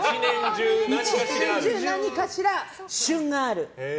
１年中何かしら旬がある。